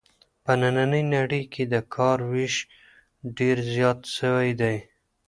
په نننۍ نړۍ کې د کار وېش ډېر زیات سوی دی.